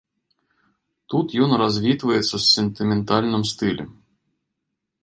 Тут ён развітваецца з сентыментальным стылем.